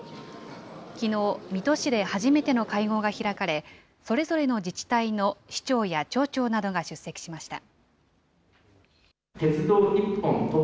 きのう、水戸市で初めての会合が開かれ、それぞれの自治体の市長や町長などが出席しました。